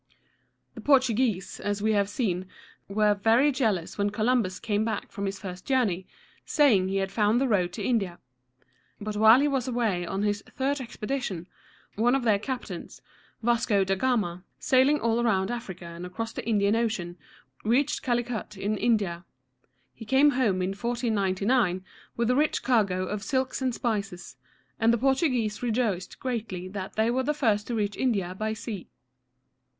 The Portuguese, as we have seen, were very jealous when Columbus came back from his first journey, saying he had found the road to India. But while he was away on his third expedition, one of their captains, Vasco da Gama (vahs´co dah gah´mah), sailing all around Africa and across the Indian Ocean, reached Cal´i cut in India. He came home in 1499, with a rich cargo of silks and spices; and the Portuguese rejoiced greatly that they were the first to reach India by sea.